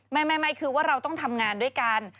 ไม่คือว่าเราต้องทำงานด้วยกัน